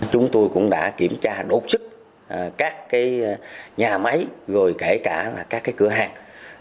chúng tôi cũng đã kiểm tra đột chức các nhà máy rồi kể cả các cửa hàng